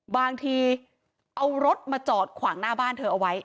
บางทีเอารถมาจอดขวางหน้าบ้านเธอเอาไว้